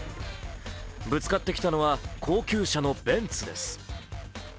ぶつかってきたのは高級車のベンツです。